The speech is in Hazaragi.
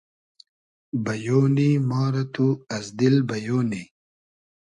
بئیۉ نی ما رۂ تو از دیل بئیۉ نی